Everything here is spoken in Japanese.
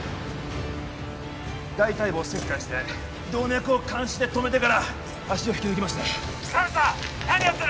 大腿部を切開して動脈を鉗子で止めてから足を引き抜きますね喜多見さん何やってる！